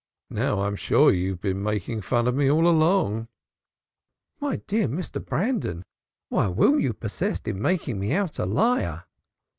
"Now I'm sure you've been making fun of me all along." "My dear Mr. Brandon, why will you persist in making me out a liar?"